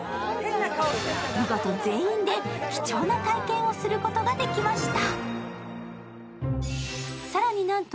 見事、全員で貴重な体験をすることができました。